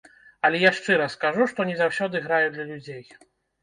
Але я шчыра скажу, што не заўсёды граю для людзей.